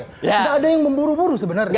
tidak ada yang memburu buru sebenarnya